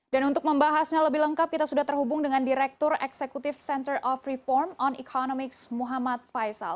dan untuk membahasnya lebih lengkap kita sudah terhubung dengan direktur eksekutif center of reform on economics muhammad faisal